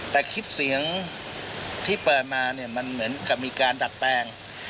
แต่คลิปเสียงที่เปิดมาเนี่ยมันเหมือนกับมีการดัดแปลง